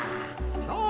そう！